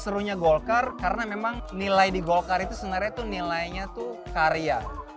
serunya golkar karena memang nilai di golkar itu sebenarnya tuh nilainya tuh karya